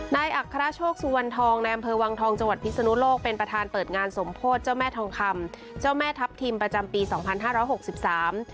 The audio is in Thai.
อัครโชคสุวรรณทองในอำเภอวังทองจังหวัดพิศนุโลกเป็นประธานเปิดงานสมโพธิเจ้าแม่ทองคำเจ้าแม่ทัพทิมประจำปีสองพันห้าร้อยหกสิบสาม